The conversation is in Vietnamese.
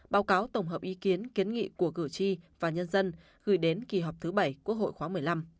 báo cáo tổng hợp ý kiến kiến nghị của cử tri và nhân dân gửi đến kỳ họp thứ bảy quốc hội khóa một mươi năm